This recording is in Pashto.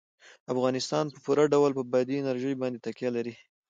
افغانستان په پوره ډول په بادي انرژي باندې تکیه لري.